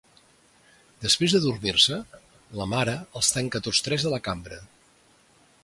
Després d'adormir-se, la mare els tanca tots tres a la cambra.